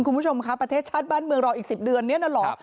คุณผู้ชมคะประเทศชาติบ้านเมืองรออีก๑๐เดือนเนี่ยนะเหรอ